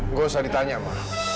gak usah ditanya ma